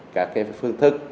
các phương thức